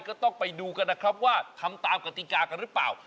ก็ต้องไปดูกันนะครับว่าทำตามกติกากันหรือเปล่า